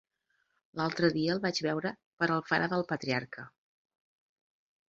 L'altre dia el vaig veure per Alfara del Patriarca.